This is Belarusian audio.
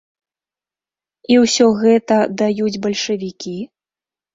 І ўсё гэта даюць бальшавікі?